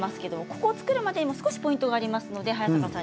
これを作るまでにもポイントがあります。